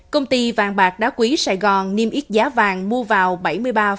công ty vàng bạc đá quý sài gòn niêm yết giá vàng mua vào bảy mươi ba hai mươi triệu đồng một lượng